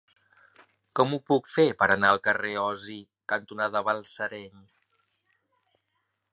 Com ho puc fer per anar al carrer Osi cantonada Balsareny?